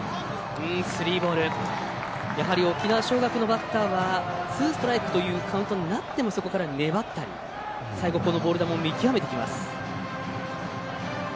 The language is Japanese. やはり沖縄尚学のバッターはツーストライクというカウントになってもそこから粘ったり最後、ボール球も見極めてきます。